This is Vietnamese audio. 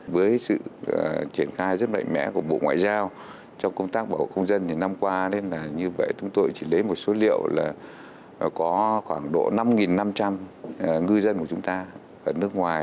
với sự triển khai rất mạnh mẽ của bộ ngoại giao trong công tác bảo hộ công dân thì năm qua như vậy chúng tôi chỉ lấy một số liệu là có khoảng độ năm năm trăm linh ngư dân của chúng ta ở nước ngoài